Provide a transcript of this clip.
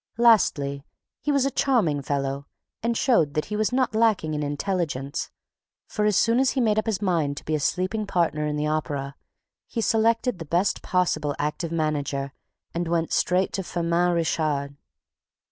Lastly, he was a charming fellow and showed that he was not lacking in intelligence, for, as soon as he made up his mind to be a sleeping partner in the Opera, he selected the best possible active manager and went straight to Firmin Richard.